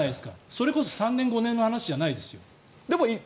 それこそ３年、５年の話じゃないですよ。